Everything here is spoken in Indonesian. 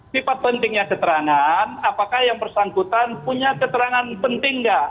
sifat pentingnya keterangan apakah yang bersangkutan punya keterangan penting nggak